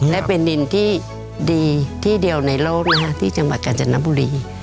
และเป็นดินที่ดีที่เดียวในโลกนะฮะที่จังหวัดกาญจนบุรี